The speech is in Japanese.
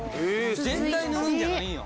全体塗るんじゃないんや。